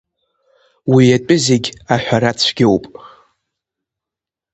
Уи атәы зегьы аҳәара цәгьоуп…